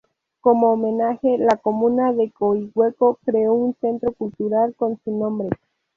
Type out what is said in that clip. Como homenaje, la comuna de Coihueco creó un centro cultural con su nombre.